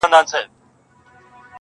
چي د جنګ پر نغارو باندي بل اور سو!.